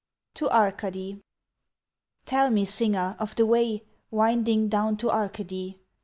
To Arcady "TELL me, Singer, of the way Winding down to Arcady?